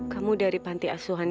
kamu dari pantai asuhan